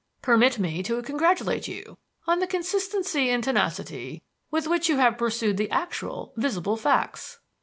Permit me to congratulate you on the consistency and tenacity with which you have pursued the actual, visible facts."